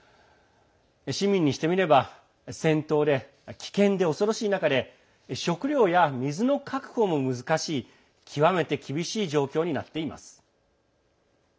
市民にしてみれば戦闘で危険で恐ろしい中で食料や水の確保も難しい極めて厳しい状況になっています。